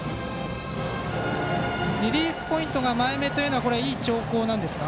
リリースポイントが前めというのはいい兆候ですか？